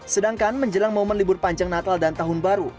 sedangkan menjelang momen libur panjang natal dan tahun baru